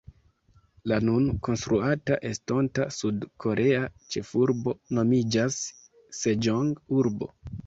La nun konstruata estonta sud-korea ĉefurbo nomiĝas Seĝong-urbo.